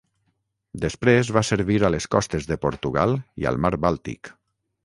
Després va servir a les costes de Portugal i al mar Bàltic.